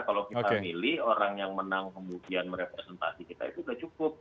kalau kita milih orang yang menang kemudian merepresentasi kita itu sudah cukup